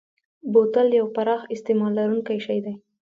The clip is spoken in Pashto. بوتل یو پراخ استعمال لرونکی شی دی.